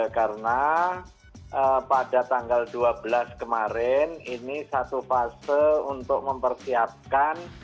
karena pada tanggal dua belas kemarin ini satu fase untuk mempersiapkan